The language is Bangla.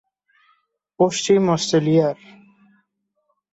পশ্চিম অস্ট্রেলিয়ার।